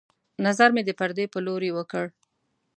نظر مې د پردې په لورې وکړ